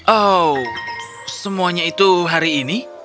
oh semuanya itu hari ini